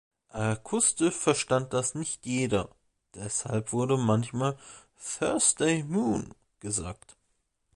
Akustisch verstand das nicht jeder, deshalb wurde manchmal ”Thursday Moon” gesagt.